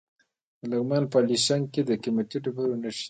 د لغمان په علیشنګ کې د قیمتي ډبرو نښې دي.